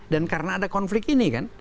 dan karena ada konflik ini kan